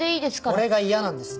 俺が嫌なんです。